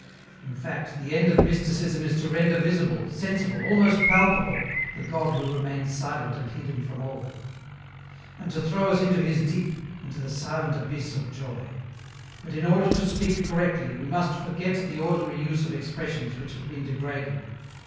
" In fact, the end of Mysticism is to render visible, sensible, almost palpable, the God who remains silent and hidden from all." " And to throw us into His deep, into the silent abyss of joy ! But in order to speak correctly, we must forget the ordinary use of expressions which have been degraded.